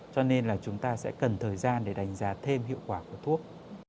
cho nên là chúng ta sẽ cần thời gian để đánh giá thêm hiệu quả của thuốc